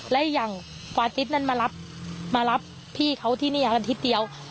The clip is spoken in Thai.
และอย่างควาลิสนั้นมารับพี่เขาที่นี่อย่างนั้นทีเดียว